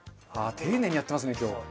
ああ丁寧にやってますね今日。